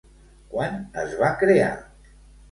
Quan es va crear?